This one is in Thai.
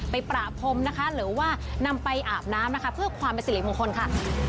ไปประพรมนะคะหรือว่านำไปอาบน้ำนะคะเพื่อความเป็นสิริมงคลค่ะ